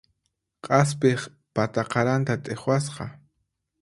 K'aspiq pata qaranta t'iqwasqa.